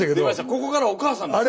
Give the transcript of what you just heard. ここからお母さんですよ。